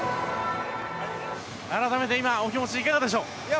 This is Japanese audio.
改めて、今お気持ちいかがでしょう。